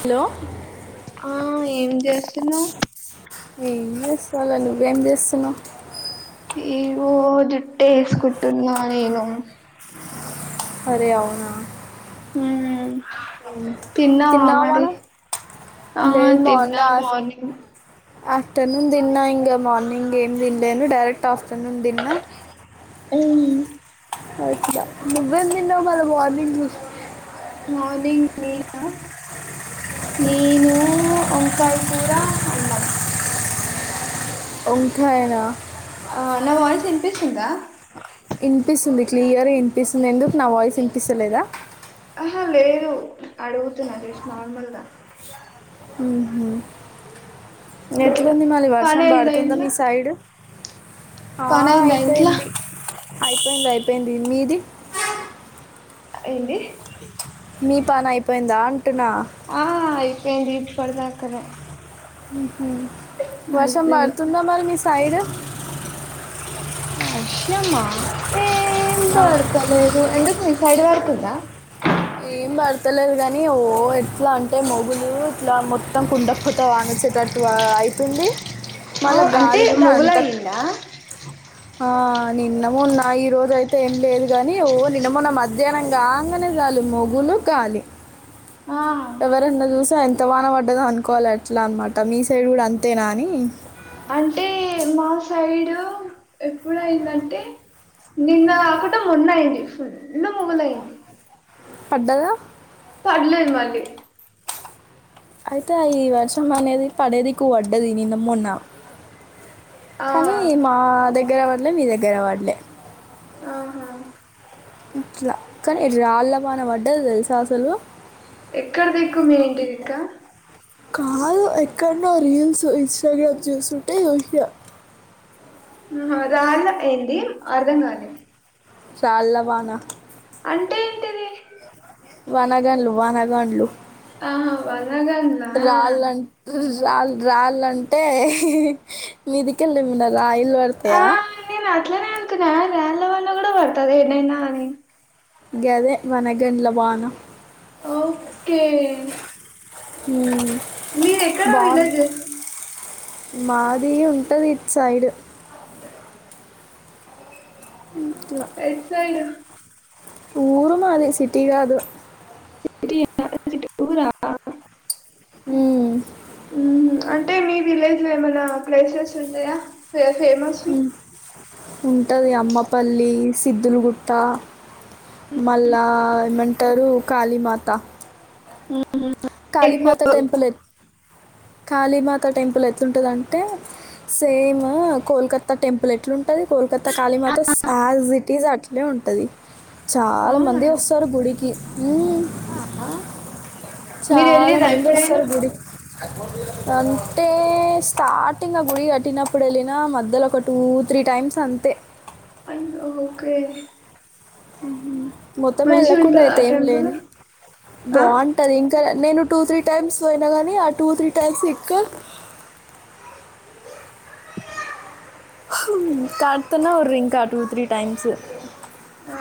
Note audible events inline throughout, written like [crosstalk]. Hello ఆ ఏం చేస్తున్నావ్ ఏం చేస్తాలే నువ్వేం చేస్తున్నావ్ ఏవో జుట్టు వేసుకుంటున్న నేను అరే అవునా హు తిన్నావా మరి ఆ తిన్న మార్నింగ్ ఆఫ్టర్నూన్ తిన్న ఇంకా మార్నింగ్ ఏం తినలేను డైరెక్ట్ ఆఫ్టర్నూన్ తిన్న మ్ అచ్చ నువ్వేం తిన్నావు మరి మార్నింగ్ మార్నింగ్ నేనా నేను వంకాయ కూర అన్నం వంకాయ నా ఆ నా వాయిస్ వినిపిస్తుందా వినిపిస్తుంది క్లియర్గా వినిపిస్తుంది ఎందుకు నా వాయిస్ వినిపిస్తలేదా ఆహా లేదు అడుగుతున్న జస్ట్ నార్మల్గా ఉ హు అట్లా ఎట్లుంది మళ్ళీ పని వర్షం అయిందా పడుతుందా ఇంట్ల మీ సైడ్ ఆ పని అయిందా ఇంట్ల అయిపోయింది అయిపోయింది అయిపోయింది మీది ఏంది మీ పని అయిపోయిందా అంటున్న ఏంది ఇప్పటిదాకానే ఉహు వర్షం పడుతుందా మరి మీ సైడ్ వర్షమా ఏం పడతలేదు ఎందుక్ మీ సైడ్ పడుతుందా ఏం పడతలేదు కాని ఓ ఎట్లా అంటే మొగులు ఇట్లా మొత్తం కుండపోత వాన అచ్చటట్టువ అయితుంది. అ అంటే మొగల్ అయిందా? ఆ నిన్నమొన్న ఈ రోజ అయితే ఏం లేదు గాని, ఓ నిన్నమొన్న మధ్యాహ్నం కాంగానే జ మొగలు, గాలి ఆ ఎవరన్నా చూశా ఇంతవాన పడ్డదో అనుకోవాలి ఎట్లా అనమాట మీ సైడ్ కూడా అంతేనాని అంటే మా సైడు ఎప్పుడ అయిందంటే నిన్న కాకుండా మొన్న అయింది ఫుల్ మొగలయింది. పడ్డద పడలేదు మళ్ళీ అయితే ఈ వర్షం అనేది పడేదిక్కు పడ్డది నిన్న మొన్న. ఆ కానీ మా దగ్గర పడలే, మీ దగ్గర పడలే ఆహా ఇట్లా కానీ రాళ్ళవాన పడ్డది తెలుసా అసలు ఎక్కడ దిక్కు మీ ఇంటి దిక్కా కాదు ఎక్కడనో రీల్స్ ఇన్స్టాగ్రామ్ చూస్తుంటే వచ్చ ఉహ రాళ్ళ ఏంది అర్ధంగాలె చాల్ల వాన అంటే ఏంటిది వానగాన్లు వానగాండ్లు ఆహా వనగన్ల రాళ్లు రాళ్ల అంటే ఇహిహిహి మీదికెళ్ళమిద రాయిలు పడతాయా అట్లానే అనుకున్న రాళ్ళ రాళ్ల వళ్ల కూడా పడుతదా ఎటైనా అని గదే వానగాండ్ల వాన ఓకే మ్ మీది ఎక్కడా విలేజ్? మాది ఉంటది ఇటు సైడ్ ఎటు సైడ్ ఊర్ మాది సిటీ కాదు. ఊరా ఉహు ఆన్ ఉమ్, అంటే మీ విలేజ్ లో ఏమైనా ప్లేసెస్ ఉంటాయా? ఫేమస్ వి ఉ ఉంటది అమ్మపల్లి, సిద్దులుగుట్ట. మళ్ళా ఏమంటారు కాళీమాత ఎక్కువ కాళీమతా టెంపల్ ఏ, కాళీమతా టెంపల్ ఎ ఎట్లుంటదంటే సేమ్ కోల్కత్తా టెంపుల్ ఎట్లుం టది కోల్కత్తా ఖాళీ మాత స్ యాజీ టీజ్ అట్లే ఉంటది. చాలా అవునా మంది వస్తారు గుడికి ఉమ్ మీరు చాలా వెళ్ళిర్రా మంది ఎప్పుడైనా వస్తారు గుడి అంటే స్టార్టింగ్ ఆ గుడి కట్టినప్పుడు వెళ్ళినా మధ్యలో ఒక టు త్రీ టైమ్స్ అంతే అండ్ ఓకే ఉహు మొత్తం మంచిగా వెళ్ళకుండా ఉంటదా అయితే ఆ ఏం టెంపుల్ లేను ఆ బావుంటది ఇంకా నేను టూ త్రీ టైమ్స్ పోయిన కానీ, ఆ టూ త్రీ టైమ్స్ ఇంకా అహు కాట్తున్నా రింకా టూ త్రీ టైమ్స్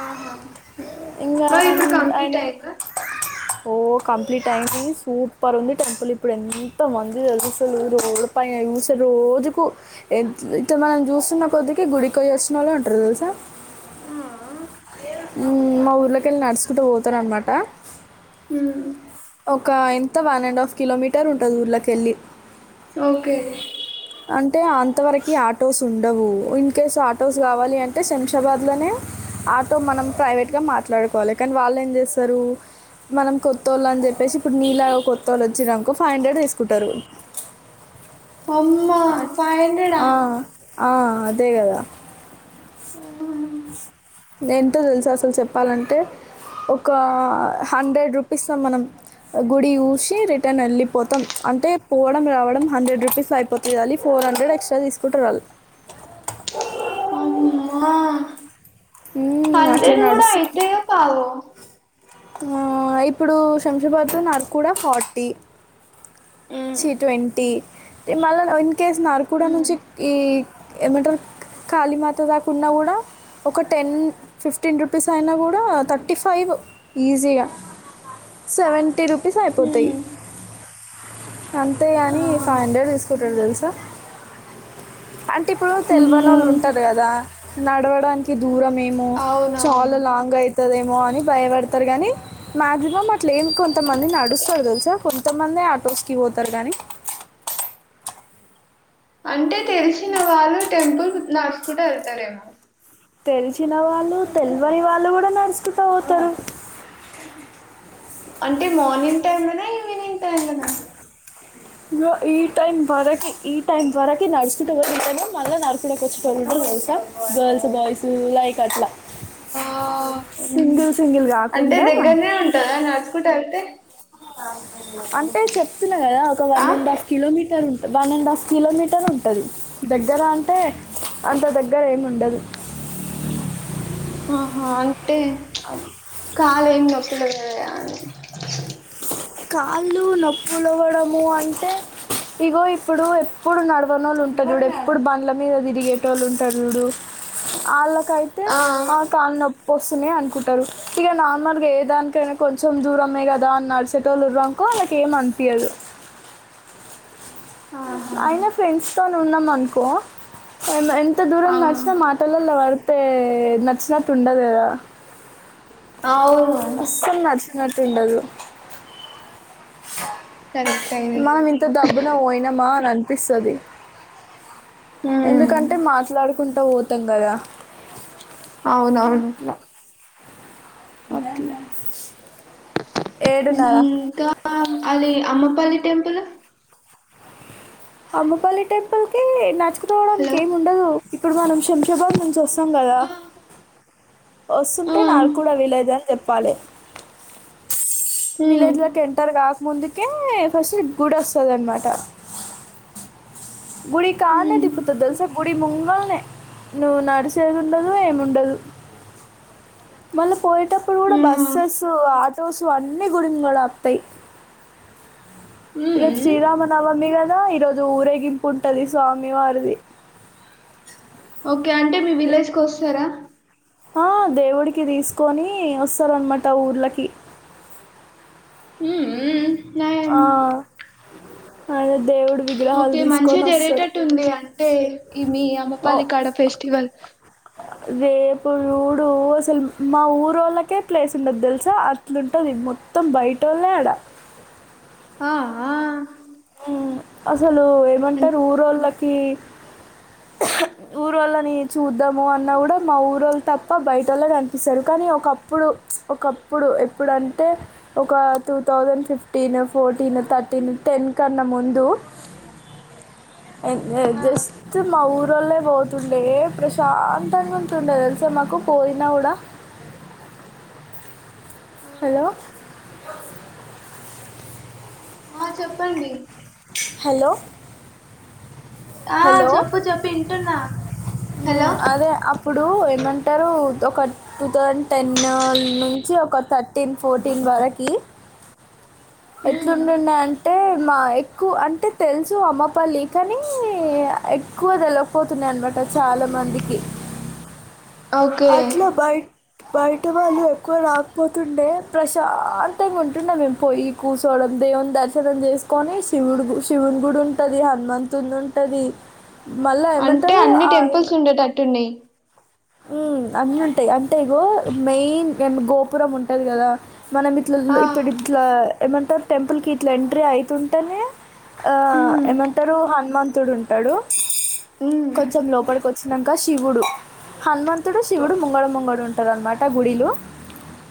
ఆహా ఇంకా మ ఇప్పుడు ఆయన- ఆయన కంప్లిట్ అయిందా ఓ కంప్లీట్ అయింది సూపర్ ఉంది టెంపుల్ ఇప్పుడు ఎంత మంది తెలుసిసలు రోడ్ ప స రోజుకు ఇ మనం చూస్తున్న కొద్దిక గుడికి పోయి వస్తున్నారు ఉంటారు తెలుసా ఆ మా ఊర్లోకి వెళ్ళి నడుచుకుంటూ పోతార అనమాట హ ఒక ఎంత వన్ అండ్ హాఫ్ కిలోమీటర్ ఉంటుంది ఊర్లో కెళ్ళి ఓకే అంటే అంతవరకు ఆటోస్ ఉండవు ఇన్ కేస్ ఆటోస్ కావాలి అంటే శంషాబాద్లోనే ఆటో మనం ప్రైవేట్గా మాట్లాడుకోవాలి కానీ వాళ్ళు ఏం చేస్తారు మనం కొత్త వాళ్ళు అని చెప్పేసి ఇప్పుడు నీలాగా కొత్త వాళ్ళు వచ్చినకో ఫైవ్ హండ్రెడ్ వేసుకుంటారు అమ్మా ఫైవ్ హండ్రెడ్ ఆ, అదే కదా ఆ ఏంటో తెలుస అసలు చెప్పాలంటే ఒక హండ్రెడ్ రూపీస్ మనం గుడి చూసి రిటర్న్ వెళ్ళిపోతాం అంటే పోవడం రావడం హండ్రెడ్ రూపీస్ అయిపోతుంది అ ఫ ఫోర్ హండ్రెడ్ ఎక్స్ట్రా తీసుకుంటారు వాళ్లు అమ్మా మ్మ్, అట్లా హండ్రెడ్ కూడా నడుస్తుంది అయితేయో కావో ఇప్పుడు శంషాబాద్ లో నర్ కూడా ఫార్టీ జీట్వంటీ మళ్ళ ఇన్ కేస్ నార్కుడా నుంచి ఈ ఏమంటారు కళీమాత దాకున్నా కూడా ఒక టెన్ ఫిఫ్టీన్ రూపీస్ అయినా కూడా థర్టీ ఫైవ్ ఈజీగా సెవెంటీ రూపీస్ అయిపోతాయి అంతే కాని ఆహా ఫైవ్ హండ్రెడ్ తీసుకుంటారు తెలుసా అంటే ఇప్పుడు తెలివన అమ్మో వాళ్ళు ఉంటారు కదా నడవడానికి దూరమేమో చాలా అవునవును లాంగ్ అయి తేదేమో అని భయవడతారు గానీ మాయాక్సిమం అట్లే ఏం కొంతమంది నడుస్తారు తెలుసా కొంతమందే అట్ల రోస్కి పోతారు గానీ అంటే తెలిసిన వాళ్ళు టెంపుల్ నడుసుకుంటా ఏళ్తారేమో తెలిచిన వాళ్ళు తెల్వని వాళ్ళు కూడా నడుసుకుంటా పోతారు అంటే మార్నింగ్ టైంలనా ఈవినింగ్ టైంలనా గొ ఈ టైం బరకి ఈ టైమ్ వరకి నడసుకుంటా పోటోలం మళ్ళా నడుసుకుంటా వచ్చటోళం గర్లసా గర్ల్స్ బాయసు లైక్ అట్లా ఆ సింగిల్ సింగిల్ అంటే కాకుండా దగ్గరనే ఉంటదా నడుచుకుంటేలతే అంటే చెప్తున్నా కదా ఒక ఆ one and half kilometre one and half kilometre ఉంటది దగరంటే అంత దగ్గరేం ఉండదు ఆహా అ టే కళ్లెం నొస్తలేదు కదా కాళ్ళు నొప్పులోవడము అంటే ఇగో ఇప్పుడు ఎప్పుడు నడవనోలుంటారు ఎప్పుడు బండ్ల మీద తిరిగేటోలుంటారు చూడు అల్లాకైతే ఆ కలనొప్ వసునే అనుకుంటారు ఇగ నార్మల్గా ఏ దానికైనా కొంచం దూరమే కదా అన్నాడసు చెటోలు రాకో వాళ్ళక్ ఏం అనిపియదు ఆహా అయిన ఫ్రెండ్స్ తో ఉన్నామానుకో ఏమన్ ఎంత దూరం ఆ నడిచినా మాటలలో పడితే నచ్చినట్టు ఉండదు కదా అవును నాటి ఉండదు సా కరెక్ట్ ఇది మనం ఇంత దబ్బున పోయినమా అని అనిపిస్తది ఉమ్ ఎందుకంటే మాట్లాడుకుంట పోతంకదా అవునవును అట్ల ఏడున్నదా ఇంకా అది అమ్మపల్లి టెంపులు అమ్మపల్లి టెంపుల్కి నడుచుకుంట పోవడానికి హలో ఏముండదు ఇప్పుడు మనం శంషాబాద్ నుంచి వస్త్ స్తం గదా ఆ వస్తుంటే ఉమ్ నాలుకూడా విలేజ్ అని చెప్ పాలే విలేజ్లకి ఎంటర్ కాకముందుకే ఫస్ట్ నీకు గుడి వస్తదన్నమాట గుడి కాడనే ఉమ్ దింపుతది తెలుసా గుడి ముం గలనే నువు నడిసేది ఉండదు ఏముండదు మళ్ళ పోయేటప్పుడు కూడా ఆహా బస్సెసు ఆటోసు అన్ని గుడి ముంగట ఆపుతయి ఇగ ఉమ్ శ్రీ రామనవమి గద ఇగ ఈరోజు ఊరేగిపుంటది స్వామి వారిది ఒకే అంటే మీ విలేజ్ కి వస్తరా ఆ దేవుడికి తీసుకొని వస్తరన్నమాట ఊర్ళకి హుహు నయం ఆ, ఆయన దేవుడి విగ్రహాలు ఒకే మంచిగ తీసుకొని వస్తారు జరిగేటట్టుంది అంటే ఈ మీ అమ్మపల్లి కాడ జరిగే ఫెస్టివల్ రేపుచూడు అసలు మా ఊరోళ్లకే ప్లేస్ ఉండది తెల్సా అట్లుంటది మొత్తం బయటోలే ఆడా ఆ ఆ అసలు ఏమంటరు ఊరోళ్ళకీ ఊరోళ్ళని చూద్దాము అన్న కూడా మా ఊరోళ్లు తప్ప బయటోల్లే కనిపిస్తరు కానీ ఒకప్పుడు ఒకప్పుడు ఎప్పుడంటే ఒక two thousand fifteen fourteen thirteen ten కన్న ముందు జస్ట్ మా ఊరు వాళ్ళే పోతుండే ప్రశాంతంగా ఉంటుండే తెలుసా మాకు పోయినా కూడా [inaudible] ఆ హలో ఆ చెప్పండి హలో ఆ హలో! చెప్పు చెప్పు వింటున్నా అదే అప్పుడు ఏమంటరు ఒక టూ థౌజండ్ టెన్ నుంచి ఒక థర్టీన్ ఫోర్టీన్ వరకి [inaudible] ఎట్లుండుండే అం టే మా ఎక్కువ అంటే తెలుసు అమ్మపల్లి కానీ ఎక్కువ తెలకపోతుండే అన్నమాట చాలా మందికి [inaudible] ఓకే అట్లా బయ బయటి వాళ్ళు ఎక్కువ రాకపోతుండే ప్రశాంతంగా ఉంటుండే మేము పోయ్యి కూర్చోడం దేవుని దర్శనం చేసుకొని శివుడు శివుని గుడి ఉంటది గా హనుమంతుడిది ఉంటది మళ్ళా అంటే ఏమంటారు అన్ని ఆ టెంపుల్స్ ఉండేటట్టున్నాయి అన్నీ ఉంటయి అంటే ఇగో మెయిన్ గోపురం ఉంటది కదా మనం ఇట్ల ఆ ఇప్పుడు ఇట్ల ఏమంటరు టెంపుల్కి ఇట్ల ఎంట్రీ అయితుంటేనే ఆ ఉమ్ ఏమంటరు హనుమంతుడు ఉంటడు ఉమ్ కొంచెం లోపలికి వచ్చి వచ్చినంక శివుడు హనుమంతుడు శివుడు ముంగడ ముంగడ ఉంటరన్నమాట గుడిలో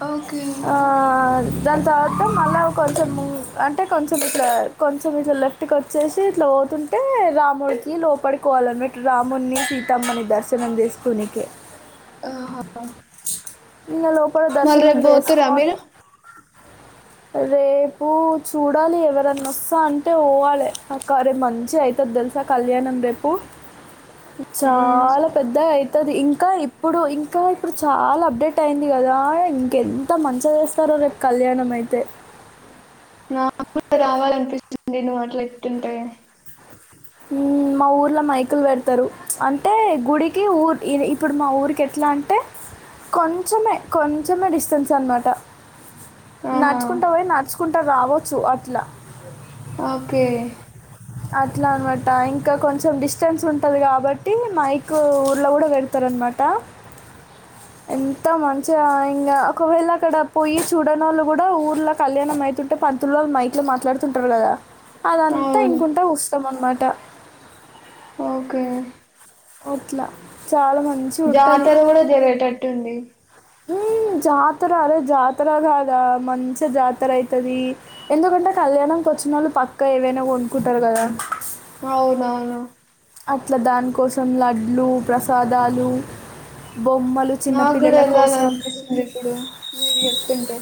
ఓకే ఆహ్, దాని తరువాత మళ్ళా కొంచెం ము అంటే కొంచెం ఇట్ల కొంచెం ఇట్ల లెఫ్ట్కి వచ్చేసి ఇటు లో పోతుంటే రాముడికి లోపడుకోవాలన్నమాటటు రాముడిని సీతమ్మని దర్శనం చేస్త కొనికి ఆహా ఇంగ లోపల మళ్ళీ దర్శనం రేపు పోతుర్రా చేసుకొని మీరు [inaudible] రేపు చూడాలి ఎవరన్నా వస్తా అంటే పోవాలి ఆక్క రే మంచి అవుతుది తెలుసా కళ్యాణం రేపు చాలా పెద్ద అయి ది ఇంకా ఇప్పుడు ఇంకా ఇప్పుడు చాలా అప్డేట్ అయింది కదా ఇంకెంత మంచిగా చేస్తారు కళ్యాణం అయితే నా కూడా రావాలనిపిస్తుంది నువ్వు అట్లా చెప్తుంటే మా ఊర్లో మైకులు పెడతారు అంటే గుడికి ఊరు ఇప్పుడు మా ఊరికి ఎట్లా ఎలా అంటే కొంచెమే కొంచెమే డిస్టెన్స్ అన్న మాట ఆహా నడుచుకుంటా పోయి నడుచుకుంటూ రావచ్చు అట్లా ఓకే అట్లా అన్నమాట ఇంకా కొంచెం డిస్టెన్స్ ఉంటాది కాబట్టి మైక్ ఊర్లో కూడా పెడతారూ మట [inaudible] ఎంత మంచిగా ఇంకా ఒకవేళ అక్కడ పోయి చూడని వాళ్ళు కూడా ఊర్లో కళ్యాణం అయితుంది అంటే పంతులోలు మైక్ లో మాట్లాడుతుంటారు కదా అదంతా అవును ఇంకుంటా ఉస్తం అన్నమాట ఆమ్ అట్లా చాలా మంచిగా ఉంటుంది జాతర కూడా జరిగేటట్టుంది జాతర అరే జాతర కాదా మంచి జాతర అయితాది ఎందుకంటే కళ్యాణం కొ వచ్చినోళ్ళు పక్కా ఏవైనా కొనుక్కుంటారు కదా అవునవును అట్లా దానికోసం లడ్లు ప్రసాదాలు బొమ్మలు నాకు కూడా చిన్నపిల్లల కోసం వెళ్ళాలనిపిస్తుంది ఇప్పుడు మీరు చెప్తుంటే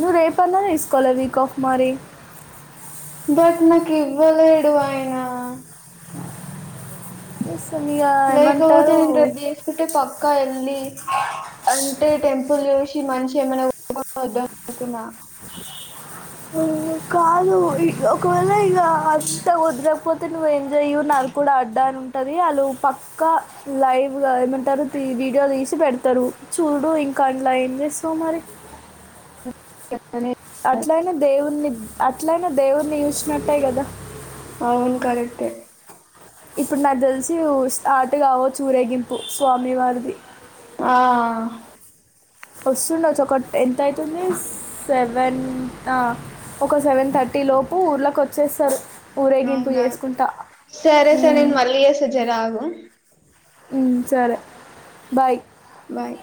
నువ్ రేపన్నా తీసుకోలే వీక్ ఆఫ్ మరి బట్ నాకు ఇవ్వలేడు ఆయన ఇస్తాను ఇక లేకపోతే ఏమంటారు నేను రేపు తీసుకుంటే పక్కా ఎల్లీ అంటే టెంపుల్ చూసి మంచిగా ఏమైనా కోరుకొని వద్దాం అనుకున్నా కాదు ఇ ఒకవేళ ఇగ అత్త కుదరకపోతే నువ్వు ఎంజాయు వాళ్ళుకూడా అడ్డ అని ఉంటది వాళ్ళు పక్కా లైవ్ గా ఏమంటారు వీడియో తీసి పెడతారు చూడు ఇంకా అడ్లా ఏచేస్తావ్ మరి అట్లయినా దేవున్ని అట్లయినా దేవుణ్ని చూసినట్టే కదా అవును కరెక్టే ఇప్పుడు నాకు తెలిసి స్టార్ట్ కావచ్చు ఉరేగింపు స్వామి వారిది ఆ వస్తుండచ్చు ఒకటి ఎంత అవుతుంది సెవెన్ అ ఒక సెవెన్ థర్టీ లోపు ఊర్ళకి వచ్చేస్తారు ఊరేగింపు అవునా చేసుకుంటా. సరే ఊ సరే నేను మళ్ళీ చేస్తా జర ఆగు ఉమ్మ్ సరే బాయ్ బాయ్